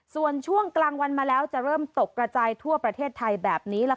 ส่วนช่วงกลางวันมาแล้วจะเริ่มตกกระจายทั่วประเทศไทยแบบนี้